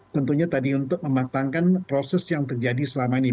tentunya tadi untuk mematangkan proses yang terjadi selama ini